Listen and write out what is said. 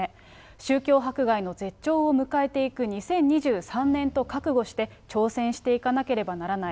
宗教迫害の絶頂を迎えていく２０２３年と覚悟して、挑戦していかなければならない。